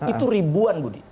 itu ribuan budi